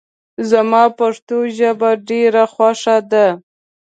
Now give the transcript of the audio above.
زما پښتو ژبه ډېره خوښه ده